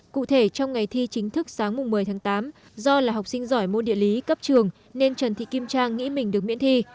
cụ thể trong ngày thi chính thức sáng một mươi tháng tám do là học sinh giỏi môn địa lý cấp trường nên trần thị kim trang nghĩ mình được miễn thi